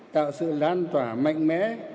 tạo sự lan tỏa mạnh mẽ